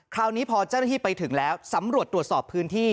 คราวนี้พอเจ้าหน้าที่ไปถึงแล้วสำรวจตรวจสอบพื้นที่